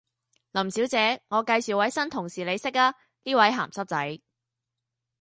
林小姐，我介紹位新同事你識呀，呢位鹹濕仔